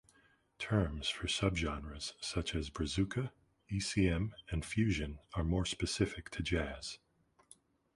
Terms for subgenres such as "brazuca", "ecm", and "fusion" are more specific to jazz.